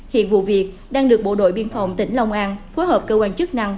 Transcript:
hiện vụ việc đang được bộ đội biên phòng tỉnh long an phối hợp cơ quan chức năng